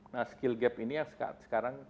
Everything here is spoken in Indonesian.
nah skill gap ini yang sekarang